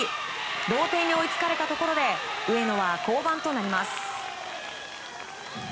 同点に追いつかれたところで上野は降板となります。